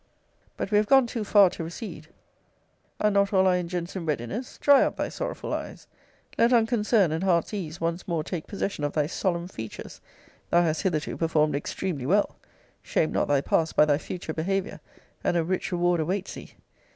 But we have gone too far to recede. Are not all our engines in readiness? Dry up thy sorrowful eyes. Let unconcern and heart's ease once more take possession of thy solemn features. Thou hast hitherto performed extremely well. Shame not thy past by thy future behaviour; and a rich reward awaits thee.